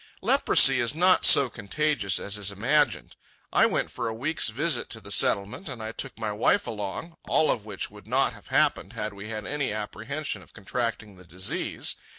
Leprosy is not so contagious as is imagined. I went for a week's visit to the Settlement, and I took my wife along—all of which would not have happened had we had any apprehension of contracting the disease.